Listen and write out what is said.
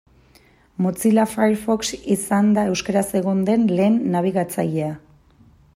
Mozilla Firefox izan da euskaraz egon den lehen nabigatzailea.